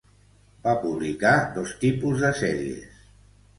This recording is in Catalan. Va publicar dos tipus de sèries.